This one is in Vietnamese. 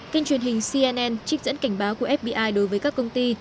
kênh truyền hình cnn trích dẫn cảnh báo của fbi đối với các công ty